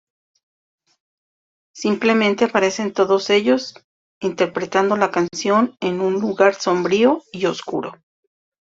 Simplemente aparecen todos ellos interpretando la canción en un lugar sombrío y oscuro.